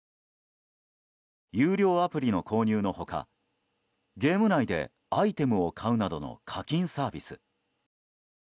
有料アプリの購入の他ゲーム内でアイテムを買うなどの課金サービス